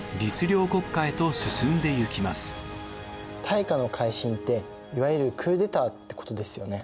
大化の改新っていわゆるクーデターってことですよね？